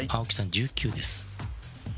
１９です